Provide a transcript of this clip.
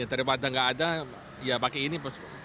ya daripada enggak ada ya pakai ini